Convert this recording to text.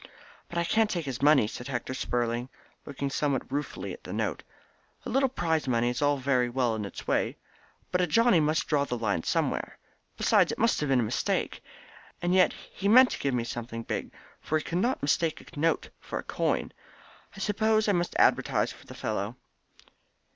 "But I can't take his money," said Hector Spurling, looking somewhat ruefully at the note. "A little prize money is all very well in its way, but a Johnny must draw the line somewhere. Besides it must have been a mistake. And yet he meant to give me something big, for he could not mistake a note for a coin. I suppose I must advertise for the fellow."